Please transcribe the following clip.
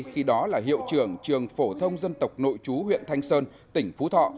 khi đó là hiệu trưởng trường phổ thông dân tộc nội chú huyện thanh sơn tỉnh phú thọ